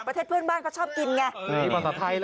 ประเทศเพื่อนบ้านเขาชอบกินไง